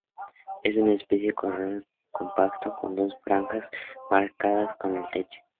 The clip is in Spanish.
Es una especie de corredor compacto, con dos franjas pardas en el pecho.